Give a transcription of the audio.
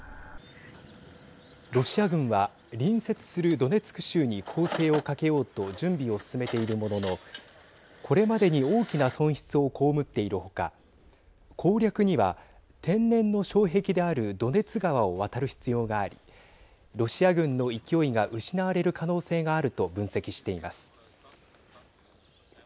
ロシア軍は隣接するドネツク州に攻勢をかけようと準備を進めているもののこれまでに大きな損失を被っているほか攻略には、天然の障壁であるドネツ川を渡る必要がありロシア軍の勢いが失われる可能性があると分析しています。